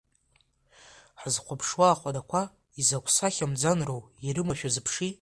Ҳазхәаԥшуа ахәадақәа изакә сахьа мӡанроу ирымоу шәазыԥши?!